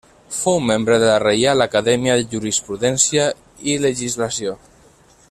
Fou membre de la Reial Acadèmia de Jurisprudència i Legislació.